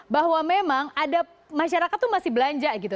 bahwa memang ada masyarakat itu masih belanja gitu